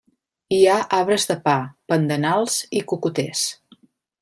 Hi ha arbres de pa, pandanals i cocoters.